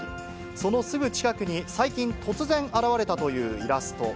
そのすぐ近くに最近、突然現れたというイラスト。